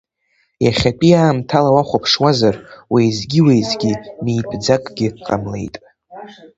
Иахьатәи аамҭала уахәаԥшуазар, уеизгьы-уеизгьы митәӡакгьы ҟамлеит.